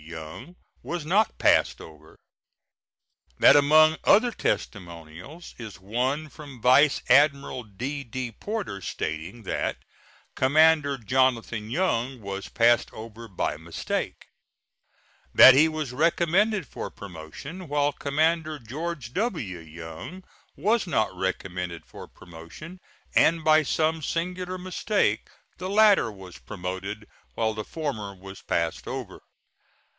Young was not passed over; that among other testimonials is one from Vice Admiral D.D. Porter stating that "Commander Jonathan Young was passed over by mistake; that he was recommended for promotion, while Commander George W. Young was not recommended for promotion, and by some singular mistake the latter was promoted, while the former was passed over."